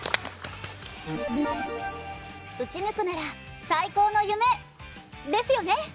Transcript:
撃ち抜くなら最高の夢ですよね！